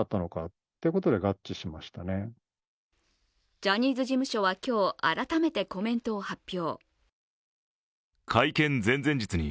ジャニーズ事務所は今日改めてコメントを発表。